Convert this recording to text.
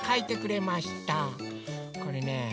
これねえ。